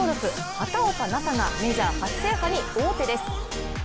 畑岡奈紗がメジャー初制覇に王手です。